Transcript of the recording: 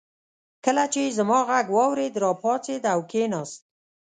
کله چې يې زما غږ واورېد راپاڅېد او کېناست.